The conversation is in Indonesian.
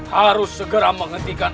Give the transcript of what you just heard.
harus segera menghentikan